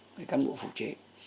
người cán bộ phục chế